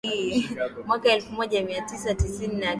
Mwaka elfu moja mia tisa tisini na tisa